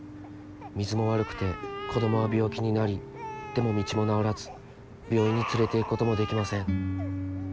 水も悪くて子供は病気になりでも道も直らず病院に連れていくこともできません」。